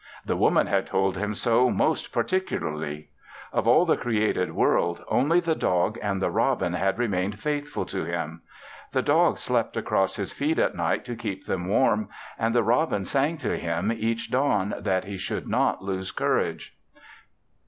The woman had told him so most particularly. Of all the created world only the dog and the robin had remained faithful to him. The dog slept across his feet at night to keep them warm and the robin sang to him each dawn that he should not lose courage.